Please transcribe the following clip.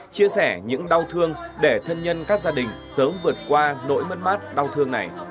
chia sẻ những đau thương để thân nhân các gia đình sớm vượt qua nỗi mất mát đau thương này